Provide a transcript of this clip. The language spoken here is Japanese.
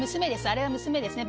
あれは娘ですね